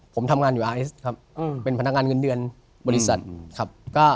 ผมทำงานอยู่อาเอสครับเป็นพนักงานเงินเดือนบริษัทครับ